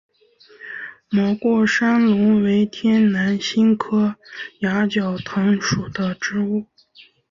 毛过山龙为天南星科崖角藤属的植物。